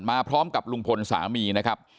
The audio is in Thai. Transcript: มาพร้อมกับลุงพลสามีนะครับ